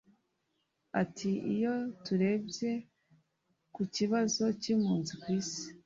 Ati"Iyo turebye ku kibazo cy’impunzi ku Isi